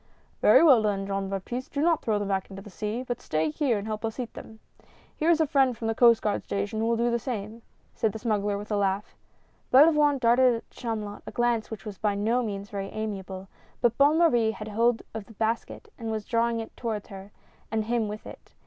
"Very well then, Jean Baptiste, do not throw them back into the sea, but stay here and help us eat them. Here is a friend from the Coast Guard station who will do the same," said the smuggler with a laugh. Belavoine darted at Chamulot a glance which was by no means very amiable, but Bonne Marie had hold of the basket and was drawing it toward her, and him with it.